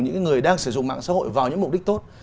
những người đang sử dụng mạng xã hội vào những mục đích tốt